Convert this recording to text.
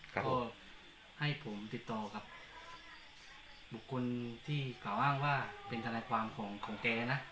ก็ให้ผมติดต่อกับบุคคลที่กล่าวอ้างว่าเป็นทนายความของแกนะ